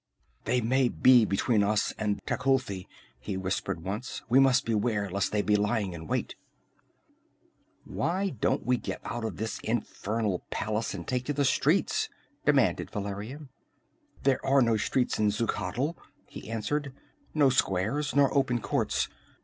"They may be between us and Tecuhltli!" he whispered once. "We must beware lest they be lying in wait!" "Why don't we get out of this infernal palace, and take to the streets?" demanded Valeria. "There are no streets in Xuchotl," he answered. "No squares nor open courts.